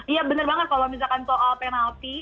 iya bener banget kalau misalkan soal penalti